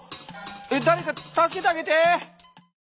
えっだれか助けてあげて！